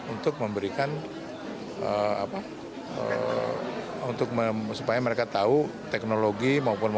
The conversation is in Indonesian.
untuk memberikan supaya mereka tahu teknologi maupun teknologi